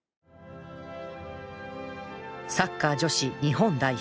サッカー女子日本代表